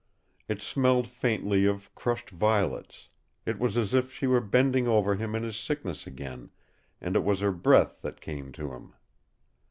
It smelled faintly of crushed violets; it was as if she were bending over him in his sickness again, and it was her breath that came to him.